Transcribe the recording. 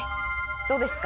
どうですか？